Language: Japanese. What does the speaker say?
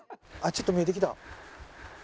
ちょっと見えてきた。